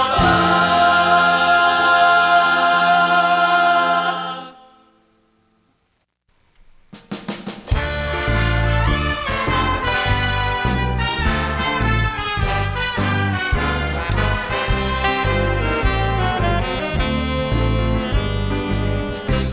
เฮ้ดาบ้าร์บ๊า